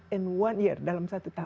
and one year dalam satu tahun